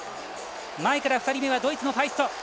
前から２人目がドイツのファイスト。